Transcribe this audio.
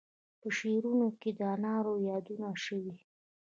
په شعرونو کې د انارو یادونه شوې.